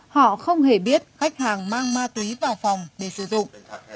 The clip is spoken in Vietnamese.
họ không hề biết khách hàng mang ma túy vào phòng để sử dụng